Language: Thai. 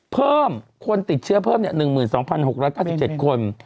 เพิ่มคนติดเชื้อเพิ่ม๑๒๖๙๗คน